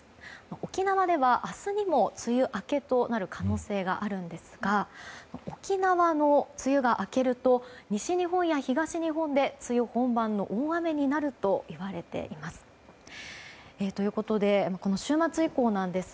沖縄では明日にも梅雨明けとなる可能性があるんですが沖縄の梅雨が明けると西日本や東日本で梅雨本番の大雨になるといわれています。